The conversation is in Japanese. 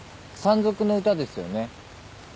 『山賊の歌』ですよね？